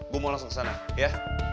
bu mau langsung ke sana ya